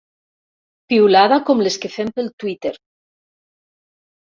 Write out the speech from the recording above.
Piulada com les que fem pel Twitter.